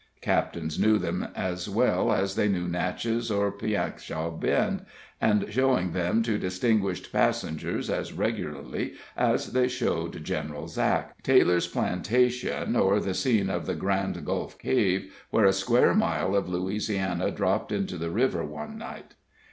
Captains knew them as well as they knew Natchez or Piankishaw Bend, and showed them to distinguished passengers as regularly as they showed General Zach. Taylor's plantation, or the scene of the Grand Gulf "cave," where a square mile of Louisiana dropped into the river one night.